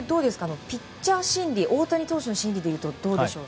ピッチャー心理大谷投手の心理ではどうでしょう？